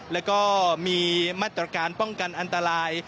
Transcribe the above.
แล้วก็มีมาตรการป้องกันอันตราย